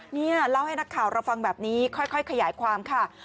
นี่เล่าให้นักข่าวเราฟังแบบนี้ค่อยขยายความค่ะ